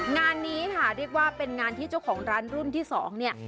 งานนี้ค่ะเรียกว่าเป็นงานที่เจ้าของร้านรุ่นที่สองเนี่ย